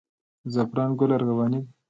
د زعفرانو ګل ارغواني دی